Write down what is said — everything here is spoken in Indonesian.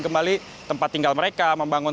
kembali tempat tinggal mereka membangun